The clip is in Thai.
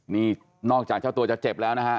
นี่นอกจากเจ้าตัวจะเจ็บแล้วนะฮะ